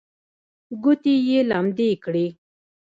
ګوتې یې لمدې کړې.